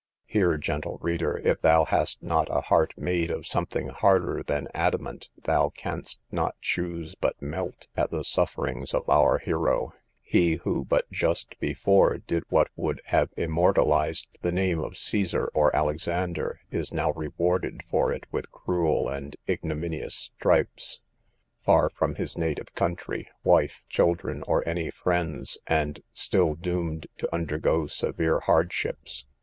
Here, gentle reader, if thou hast not a heart made of something harder than adamant, thou canst not choose but melt at the sufferings of our hero; he, who but just before, did what would have immortalised the name of Cæsar or Alexander, is now rewarded for it with cruel and ignominious stripes, far from his native country, wife, children, or any friends, and still doomed to undergo severe hardships.